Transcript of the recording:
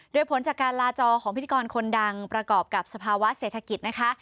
โดยผลจากการลาจอของพิธีกรคนดังประกอบกับสภาวะเศรษฐกิจนะคะ